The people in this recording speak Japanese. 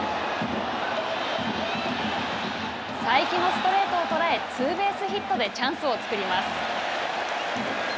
才木のストレートを捉えツーベースヒットでチャンスを作ります。